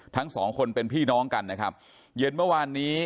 ทั้งสองคนเป็นพี่น้องกันนะครับเย็นเมื่อวานนี้